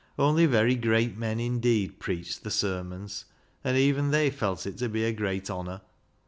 Only very great men indeed preached the Sermons, and even they felt it to be a great honour.